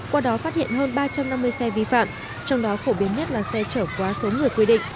qua đó phát hiện hơn ba trăm năm mươi xe vi phạm trong đó phổ biến nhất là xe chở quá số người quy định